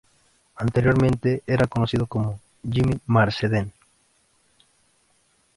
Anteriormente era conocido como Jimmy Marsden.